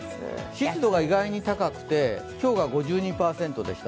湿度が意外に高くて今日が５２％でした。